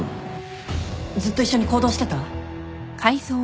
ずっと一緒に行動してた？